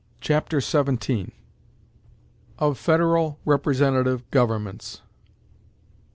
Chapter XVII Of Federal Representative Governments.